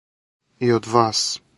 И од вас.